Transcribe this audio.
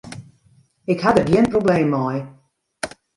Ik ha der gjin probleem mei.